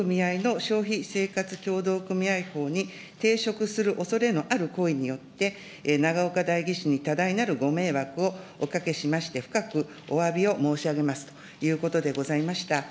当組合の消費生活組合法に抵触するおそれのある行為によって、永岡代議士に多大なるご迷惑をおかけしまして、深くおわびを申し上げますということでございました。